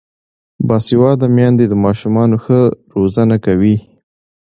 باسواده میندې د ماشومانو ښه روزنه کوي.